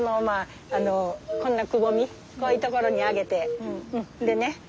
まあこんなくぼみこういう所にあげてでね。